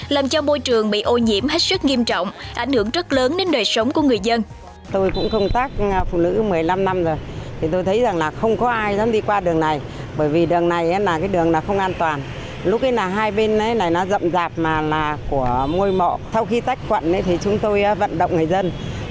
làm cho môi trường bị ô nhiễm hết sức nghiêm trọng ảnh hưởng rất lớn đến đời sống của người dân